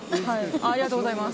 ありがとうございます。